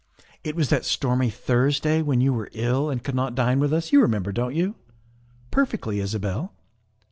It was that stormy Thursday when you were ill and could not dine with us you remember, don't you?" "Perfectly, Isabel."